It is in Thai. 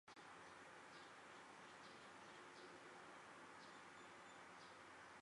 บางครั้งการรอก็จะดูฉลาดกว่า แต่ว่าบางครั้งก็ควรลงมือทำเลย